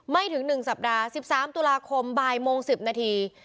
ไม่ถึง๑สัปดาห์๑๓ตุลาคมบ่ายโมง๑๐นาที